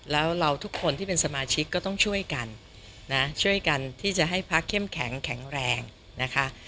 แล้วเราทุกคนที่เป็นสมาชิกก็ต้องช่วยกันนะช่วยกันที่จะให้พักเข้มแข็งแข็งแรงนะคะ